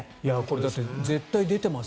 だって絶対出てます